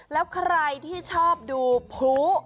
แล้วใครที่ชอบดูพลุ